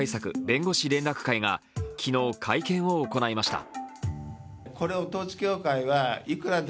弁護士連絡会が昨日、会見を行いました。